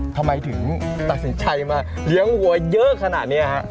ทำไมถึงตัดสินใจมาเลี้ยงวัวเยอะขนาดนี้ฮะ